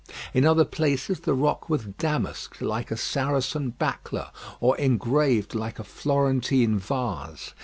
In other places the rock was damasked like a Saracen buckler, or engraved like a Florentine vase.